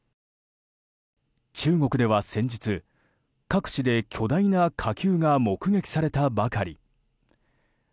中国では先日、各地で巨大な火球が目撃されたばかり。